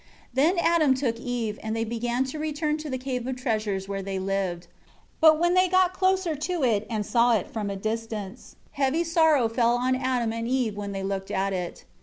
1 Then Adam took Eve, and they began to return to the Cave of Treasures where they lived. But when they got closer to it and saw it from a distance, heavy sorrow fell on Adam and Eve when they looked at it.